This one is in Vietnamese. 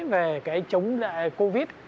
về cái chống lại covid